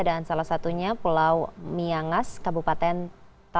dan salah satunya pulau miangas kabupaten talaut sulawesi utara